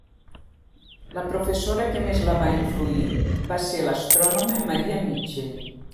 La professora que més la va influir va ser l'astrònoma Maria Mitchell.